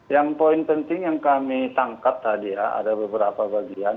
yang poin penting yang kami tangkap tadi ya ada beberapa bagian